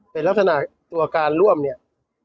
เป็นลักษณะตัวการร่วมเนี่ย